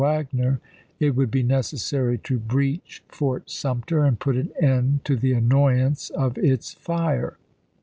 Wagner it would be necessary to breach Fort chap, xv Sumter and put an end to the annoyance of its fire.